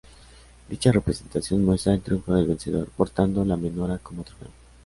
Dicha representación muestra el triunfo del vencedor, portando la menorá como trofeo.